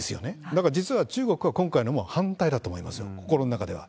だから実は中国は、今回のも反対だと思いますよ、心の中では。